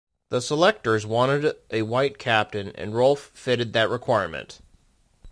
The selectors wanted a white captain and Rolph fitted that requirement.